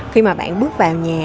khi mà bạn bước vào nhà